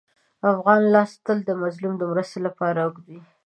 د افغان لاس تل د مظلوم د مرستې لپاره اوږد وي.